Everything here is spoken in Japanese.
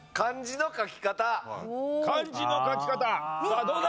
漢字の書き方さあどうだ？